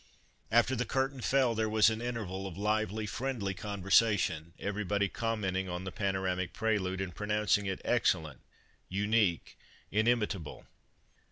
After the curtain fell there was an interval of lively, friendly conversation, everybody commenting on the Panoramic Prelude and pronouncing it excellent, unique, inimitable.